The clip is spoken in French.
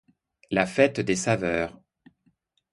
La Fête des Saveurs.